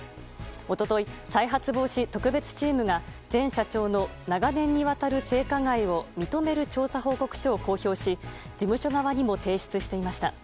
一昨日、再発防止特別チームが前社長の長年にわたる性加害を認める調査報告書を公表し事務所側にも提出していました。